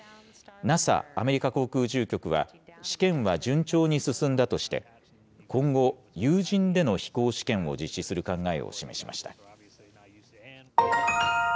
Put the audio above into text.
ＮＡＳＡ・アメリカ航空宇宙局は、試験は順調に進んだとして、今後、有人での飛行試験を実施する考えを示しました。